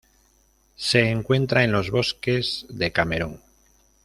Se encuentra en los bosques de Camerún.